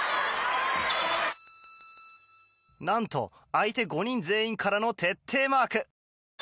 何と、相手５人全員からの徹底マーク。